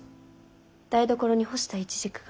台所に干したイチジクが。